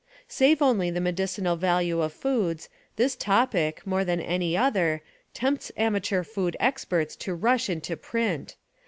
Save only the medicinal value of foods, this topic, more than any other, tempts amateur food experts to rush into print.